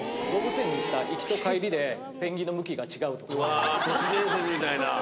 うわぁ都市伝説みたいな。